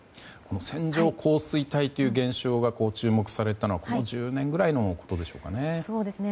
線状降水帯という現象が注目されたのはここ１０年くらいのことでしょうかね。